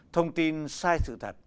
thông tin sai sự thật